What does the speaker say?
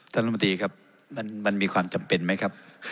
ท่านบุฎีครับมันมีความจำเป็นมั้ยครับ